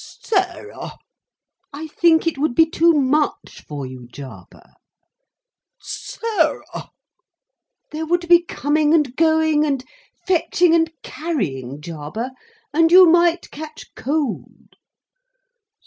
"Sarah!" "I think it would be too much for you, Jarber." "Sarah!" "There would be coming and going, and fetching and carrying, Jarber, and you might catch cold."